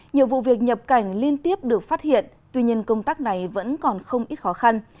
nhiều vụ việc nhập cảnh liên tiếp được phát hiện tuy nhiên công tác này vẫn còn không ít khó khăn